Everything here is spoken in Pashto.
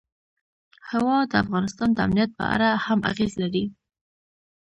هوا د افغانستان د امنیت په اړه هم اغېز لري.